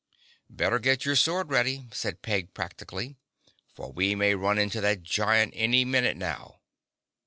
"Better get your sword ready," said Peg practically, "for we may run into that giant any minute now."